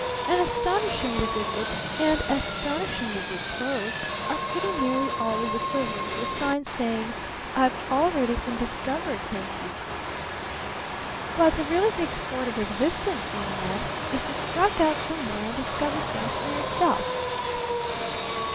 And astonishingly good looks and astonishingly good clothes are pretty nearly always equivalent to a sign saying, 'I've already been discovered, thank you!' But the really big sport of existence, young man, is to strike out somewhere and discover things for yourself!"